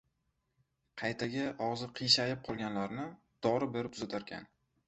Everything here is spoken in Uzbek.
Qaytaga og‘zi qiyshayib qolganlami dori berib tuzatarkan.